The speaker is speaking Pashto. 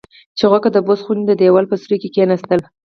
چوغکه د بوس خونې د دېوال په سوري کې کېناستله.